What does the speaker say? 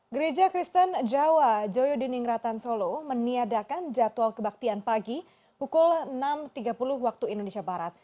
gereja kristen jawa joyo diningratan solo meniadakan jadwal kebaktian pagi pukul enam tiga puluh waktu indonesia barat